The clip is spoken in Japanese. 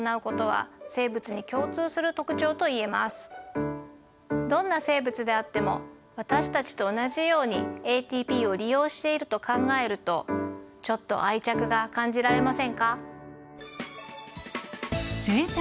このようにどんな生物であっても私たちと同じようにＡＴＰを利用していると考えるとちょっと愛着が感じられませんか？